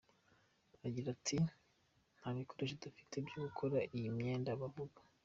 Agira ati “Nta bikoresho dufite byo gukora iyo myenda bavuga.